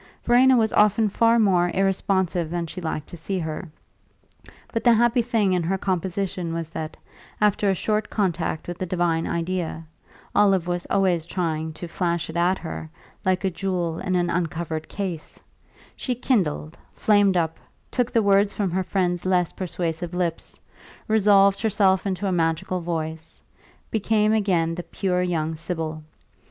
Verena was often far more irresponsive than she liked to see her; but the happy thing in her composition was that, after a short contact with the divine idea Olive was always trying to flash it at her, like a jewel in an uncovered case she kindled, flamed up, took the words from her friend's less persuasive lips, resolved herself into a magical voice, became again the pure young sibyl.